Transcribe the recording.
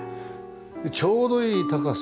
ちょうどいい高さ。